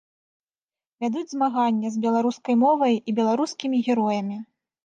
Вядуць змаганне з беларускай мовай і беларускімі героямі.